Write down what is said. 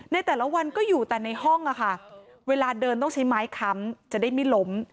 ในแต่ละวันก็อยู่แต่ในห้องอะค่ะเวลาเดินต้องใช้ไม้ค้ำจะได้ไม่ล้ม